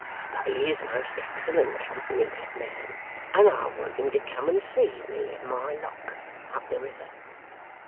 But he is most excellent company, that man, and I want him to come and see me at my Lock, up the river.